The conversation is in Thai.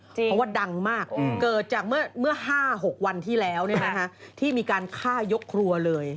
เพราะว่าดังมากเกิดจากเมื่อ๕๖วันที่แล้วที่มีการฆ่ายกครัวเลย